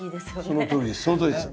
そのとおりです。